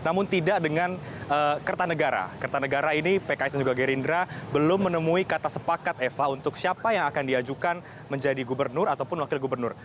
namun tidak dengan kertanegara kertanegara ini pks dan juga gerindra belum menemui kata sepakat eva untuk siapa yang akan diajukan menjadi gubernur ataupun wakil gubernur